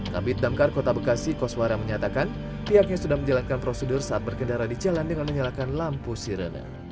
kabit damkar kota bekasi koswara menyatakan pihaknya sudah menjalankan prosedur saat berkendara di jalan dengan menyalakan lampu sirene